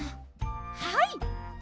はい。